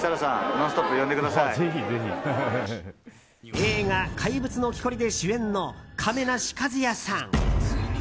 映画「怪物の木こり」で主演の亀梨和也さん。